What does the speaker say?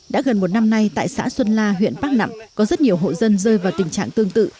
đã gần một năm nay tại xã xuân la huyện bắc nẵm có rất nhiều hộ dân rơi vào tình trạng tương tự